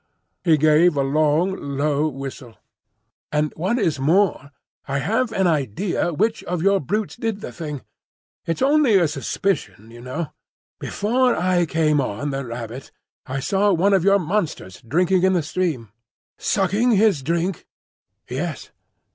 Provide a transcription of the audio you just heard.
He gave a long, low whistle. "And what is more, I have an idea which of your brutes did the thing. It's only a suspicion, you know. Before I came on the rabbit I saw one of your monsters drinking in the stream." "Sucking his drink?" "Yes."